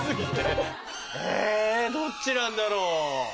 えどっちなんだろう。